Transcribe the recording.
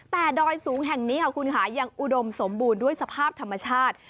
แต่ดอยสูงแห่งนี้ค่ะคุณค่ะยังอุดมสมบูรณ์ด้วยสภาพธรรมชาติ